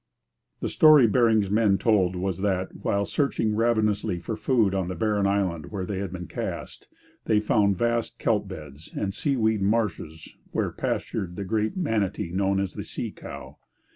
The story Bering's men told was that, while searching ravenously for food on the barren island where they had been cast, they had found vast kelp beds and seaweed marshes, where pastured the great manatee known as the sea cow.